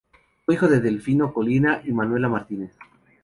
Fue hijo de Delfino Colina y Manuela Martínez.